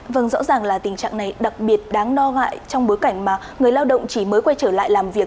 vâng rõ ràng là tình trạng này đặc biệt đáng lo ngại trong bối cảnh mà người lao động chỉ mới quay trở lại làm việc